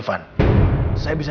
kamu harus bisa jadi dokter